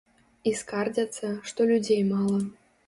І скардзяцца, што людзей мала.